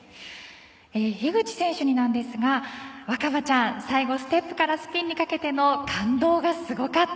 樋口選手になんですが新葉ちゃん、最後ステップからスピンにかけての感動がすごかった。